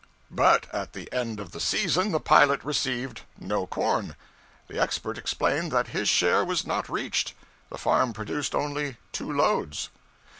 But at the end of the season the pilot received no corn. The expert explained that his share was not reached. The farm produced only two loads.